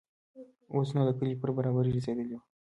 اوس نو د کلي پر برابري رسېدلي وو.